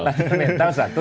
latihan mental satu